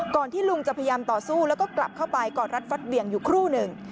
ที่ลุงจะพยายามต่อสู้แล้วก็กลับเข้าไปกอดรัดฟัดเหวี่ยงอยู่ครู่หนึ่ง